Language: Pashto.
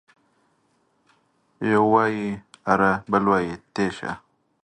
يو وايي اره ، بل وايي تېشه.